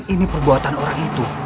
ini perbuatan orang itu